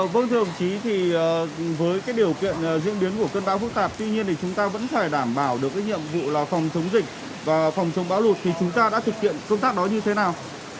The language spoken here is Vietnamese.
vâng thưa ông chí thì với cái điều kiện diễn biến của cơn bão phức tạp tuy nhiên thì chúng ta vẫn phải đảm bảo được cái nhiệm vụ là phòng chống dịch và phòng chống bão lụt thì chúng ta đã thực hiện công tác đó như thế nào